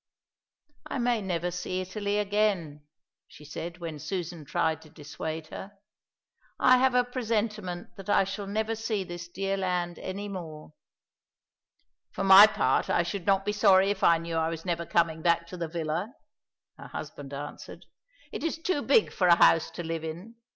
"I may never see Italy again," she said, when Susan tried to dissuade her. "I have a presentiment that I shall never see this dear land any more." "For my part I should not be sorry if I knew I was never coming back to the villa," her husband answered. "It is too big for a house to live in.